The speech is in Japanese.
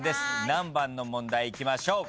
何番の問題いきましょう？